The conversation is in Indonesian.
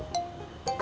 aku juga suka pake dia